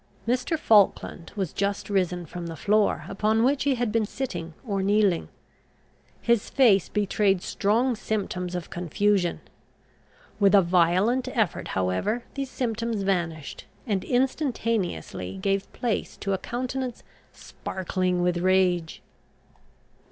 Mr. Falkland was just risen from the floor upon which he had been sitting or kneeling. His face betrayed strong symptoms of confusion. With a violent effort, however, these symptoms vanished, and instantaneously gave place to a countenance sparkling with rage.